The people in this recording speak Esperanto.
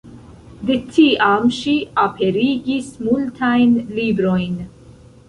De tiam ŝi aperigis multajn librojn.